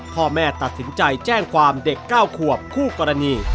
พ่อแม่ตัดสินใจแจ้งความเด็ก๙ขวบคู่กรณี